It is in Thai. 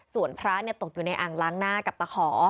ส่วนพระตกอยู่ในอ่างล้างหน้ากับตะขอ